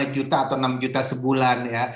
tiga juta atau enam juta sebulan ya